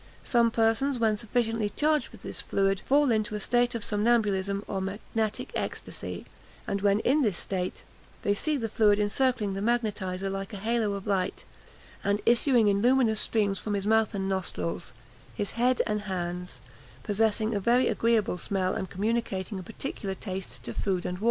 Some persons, when sufficiently charged with this fluid, fall into a state of somnambulism, or magnetic ecstasy; and when in this state, "they see the fluid encircling the magnetiser like a halo of light, and issuing in luminous streams from his mouth and nostrils, his head and hands, possessing a very agreeable smell, and communicating a particular taste to food and water."